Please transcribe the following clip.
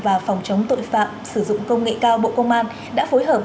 và phòng chống tội phạm sử dụng công nghệ cao bộ công an đã phối hợp